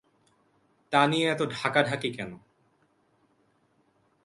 তা নিয়ে এত ঢাকাঢাকি কেন?